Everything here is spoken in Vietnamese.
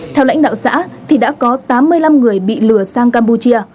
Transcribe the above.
theo lãnh đạo xã thì đã có tám mươi năm người bị lừa sang campuchia